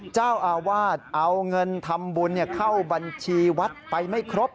เจ้าอาวาสเอาเงินทำบุญเข้าบัญชีวัดไปไม่ครบ